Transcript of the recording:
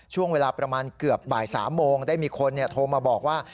ช่วงเวลาประมาณเกือบบ่าย๓โมงได้มีคนโทรมาบอกว่า